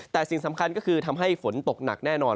แต่สิ่งสำคัญก็คือทำให้ฝนตกหนักแน่นอน